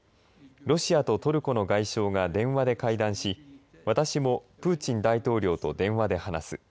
ロシアとトルコの外相が電話で会談し私もプーチン大統領と電話で話す。